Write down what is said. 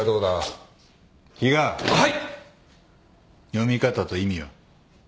読み方と意味は？